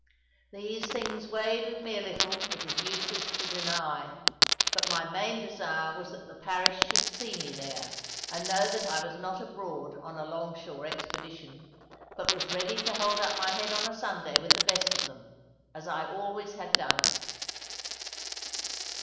These things weighed with me a little, it is useless to deny; but my main desire was that the parish should see me there, and know that I was not abroad on a long shore expedition, but was ready to hold up my head on a Sunday with the best of them, as I always had done.